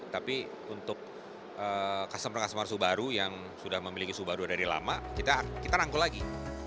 tapi untuk customer customer subaru yang sudah memiliki subaru dari lama kita rangkul lagi